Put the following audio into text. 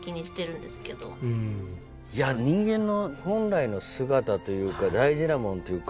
いや人間の本来の姿というか大事なものというか。